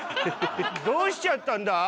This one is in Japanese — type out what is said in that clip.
どうしちゃったんだ？